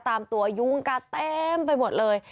ตามตัวยุงกัดเต็มไปหมดเลย